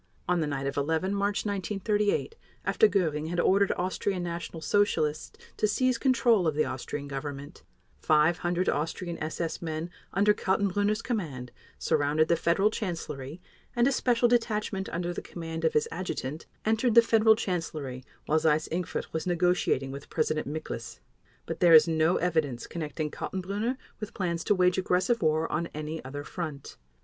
On the night of 11 March 1938, after Göring had ordered Austrian National Socialists to seize control of the Austrian Government, 500 Austrian SS men under Kaltenbrunner's command surrounded the Federal Chancellery and a special detachment under the command of his adjutant entered the Federal Chancellery while Seyss Inquart was negotiating with President Miklas. But there is no evidence connecting Kaltenbrunner with plans to wage aggressive war on any other front.